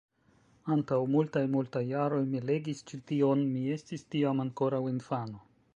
Antaŭ multaj, multaj jaroj mi legis ĉi tion, mi estis tiam ankoraŭ infano.